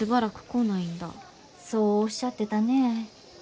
そうおっしゃってたねえ。